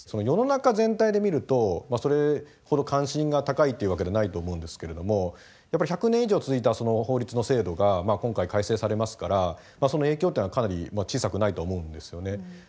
世の中全体で見るとそれほど関心が高いというわけでないと思うんですけれどもやっぱり１００年以上続いた法律の制度が今回改正されますからその影響っていうのはかなり小さくないと思うんですよね。